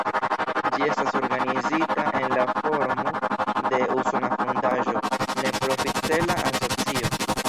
Ĝi estas organizita en la formo de usona fondaĵo, ne-profit-cela asocio.